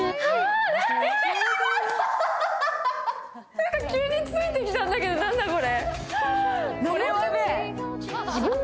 何か急についてきたんだけど、何だこれ？